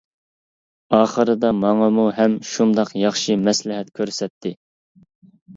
ئاخىرىدا ماڭىمۇ ھەم شۇنداق ياخشى مەسلىھەت كۆرسەتتى.